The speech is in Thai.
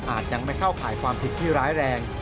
ยังไม่เข้าข่ายความผิดที่ร้ายแรง